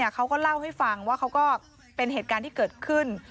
เขาก็เล่าให้ฟังว่าเขาก็เป็นเหตุการณ์ที่เกิดขึ้น